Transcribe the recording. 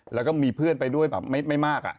แล้วก็มีเพื่อนไปด้วยแบบไม่มาก